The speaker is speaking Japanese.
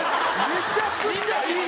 めちゃくちゃいい！